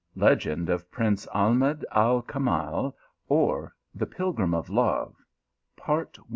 LEGEND OF PRINCE AHMED AL KAMEL; Or The Pilgrim of Love."